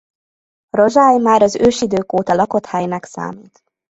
Rozsály már az ősidők óta lakott helynek számít.